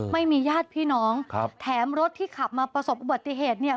ไม่มีญาติพี่น้องแถมรถที่ขับมาประสบปฏิเกตเนี่ย